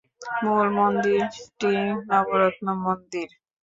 মূল মন্দিরটি নবরত্ন মন্দির।